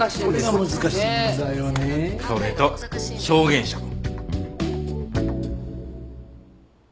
それと証言者も。